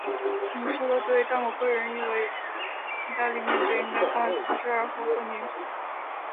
你说得对，但我个人认为，意大利面就应该拌四十二号混凝土。